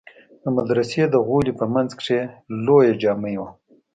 د مدرسې د غولي په منځ کښې لويه جامع وه.